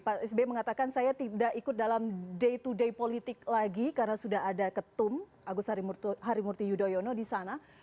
pak sby mengatakan saya tidak ikut dalam day to day politik lagi karena sudah ada ketum agus harimurti yudhoyono di sana